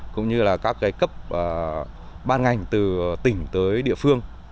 cũng như các cấp ban hành từ tỉnh tới địa phương